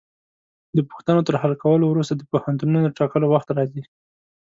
د پوښتنو تر حل کولو وروسته د پوهنتونونو د ټاکلو وخت راځي.